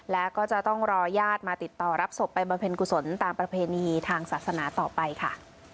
แล้วก็จะต้องรอญาติมาติดต่อรับศพไปบำเพ็ญกุศลตามประเพณีทางศาสนาต่อไปค่ะ